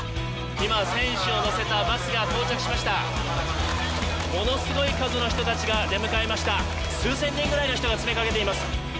・今選手を乗せたバスが到着しましたものすごい数の人達が出迎えました数千人ぐらいの人が詰めかけています